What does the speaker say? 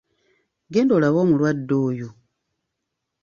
Genda olabe omulwadde oyo.